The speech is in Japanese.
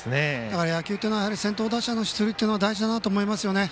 野球というのは先頭打者の出塁が大事だなと思いますね。